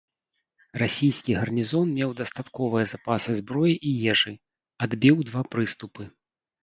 Расійскі гарнізон меў дастатковыя запасы зброі і ежы, адбіў два прыступы.